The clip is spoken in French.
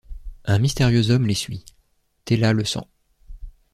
Un mystérieux homme les suit... Tella le sent.